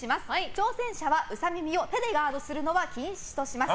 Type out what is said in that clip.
挑戦者はウサ耳を手でガードするのは禁止とします。